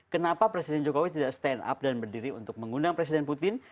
kenapa presiden jokowi tidak stand up dan berdiri untuk mengundang presiden putin